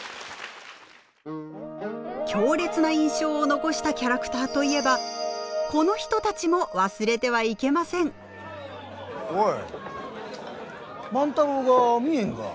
強烈な印象を残したキャラクターといえばこの人たちも忘れてはいけませんおい万太郎が見えんが。